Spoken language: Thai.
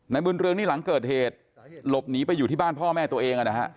บุญเรืองนี่หลังเกิดเหตุหลบหนีไปอยู่ที่บ้านพ่อแม่ตัวเองนะฮะ